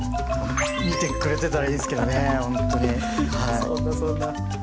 見てくれてたらいいんですけどねほんとに。